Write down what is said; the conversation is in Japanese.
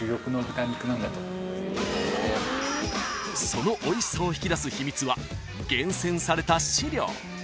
［そのおいしさを引き出す秘密は厳選された飼料］